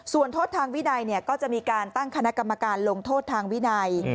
ส่วนโทษทางวินัยก็จะมีการตั้งคณะกรรมการลงโทษทางวินัย